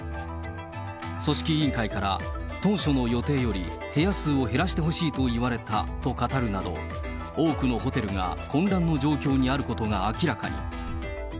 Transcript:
組織委員会から当初の予定より、部屋数を減らしてほしいと言われたと語るなど、多くのホテルが、混乱の状況にあることが明らかに。